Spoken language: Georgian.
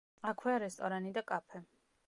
აქვეა რესტორანი და კაფე.